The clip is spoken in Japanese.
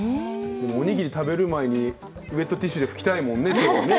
おにぎり食べる前に、ウエットティッシュで拭きたいもんね。